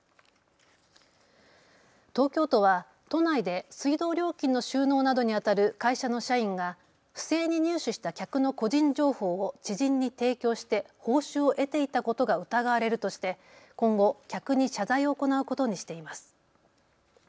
東京都は都内で水道料金の収納などにあたる会社の社員が不正に入手した客の個人情報を知人に提供して報酬を得ていたことが疑われるとして今後、客に謝罪を行うことにしています。